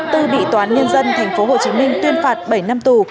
tư bị tòa án nhân dân thành phố hồ chí minh tuyên phạt bảy năm tù